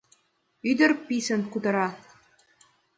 — Ӱдыр писын кутыра.